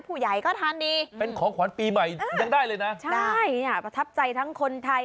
ผู้ใหญ่ก็ทานดีเป็นของขวัญปีใหม่ยังได้เลยนะใช่อ่ะประทับใจทั้งคนไทย